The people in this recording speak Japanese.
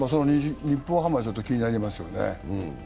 日本ハムはちょっと気になりますよね。